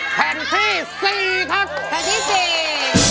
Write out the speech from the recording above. แผ่นที่สี่ครับแผ่นที่สี่